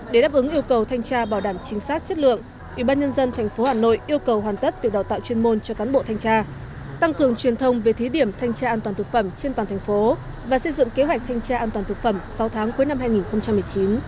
để đáp ứng yêu cầu thanh tra bảo đảm chính xác chất lượng ubnd tp hà nội yêu cầu hoàn tất việc đào tạo chuyên môn cho cán bộ thanh tra tăng cường truyền thông về thí điểm thanh tra an toàn thực phẩm trên toàn thành phố và xây dựng kế hoạch thanh tra an toàn thực phẩm sáu tháng cuối năm hai nghìn một mươi chín